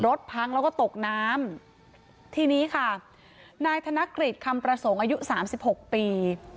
รถพังแล้วก็ตกน้ำทีนี้ค่ะนายธนกฤษคำประสงค์อายุสามสิบหกปี